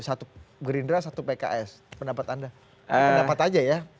satu gerindra satu pks pendapat anda pendapat aja ya